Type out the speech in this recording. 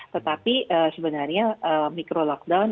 tetapi sebenarnya mikro lockdown